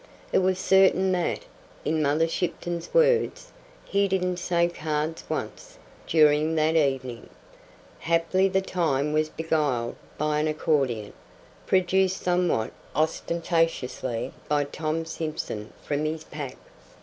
It was certain that, in Mother Shipton's words, he "didn't say cards once" during that evening. Haply the time was beguiled by an accordion, produced somewhat ostentatiously by Tom Simson from his pack.